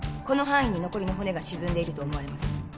この範囲に残りの骨が沈んでいると思われます